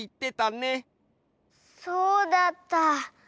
そうだった。